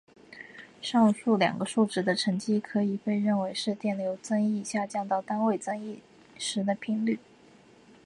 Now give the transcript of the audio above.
上述两个数值的乘积可以被认为是电流增益下降到单位增益时的频率。